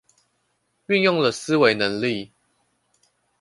運用了思維能力